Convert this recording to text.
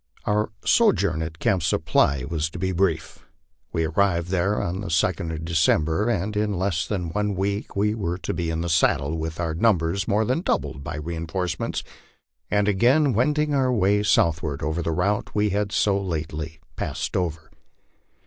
Our sojourn at Camp Supply was to be brief. We arrived there on the 2d of December, and in less than one week we were to be in the saddle with our numbers more than doubled by reinforcements, and again wending our way southward over the route we had so lately passed over.